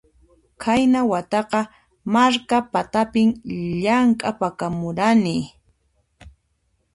Qayna wataqa Markapatapin llamk'apakamurani